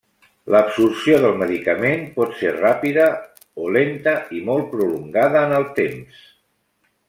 L'absorció del medicament pot ser ràpida, o lenta i molt prolongada en el temps.